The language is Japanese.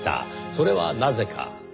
それはなぜか。